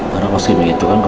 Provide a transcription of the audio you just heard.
karena skimming itu kan